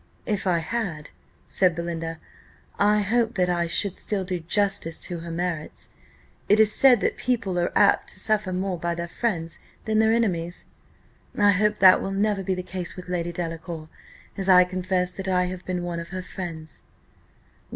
"If I had," said Belinda, "I hope that I should still do justice to her merits. It is said that people are apt to suffer more by their friends than their enemies. I hope that will never be the case with Lady Delacour, as I confess that I have been one of her friends."